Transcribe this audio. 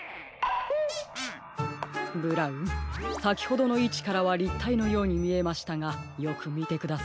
ブラウンさきほどのいちからはりったいのようにみえましたがよくみてください。